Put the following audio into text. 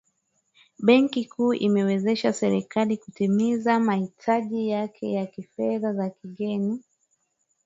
benki kuu inaiwezesha serikali kutimiza mahitaji yake ya fedha za kigeni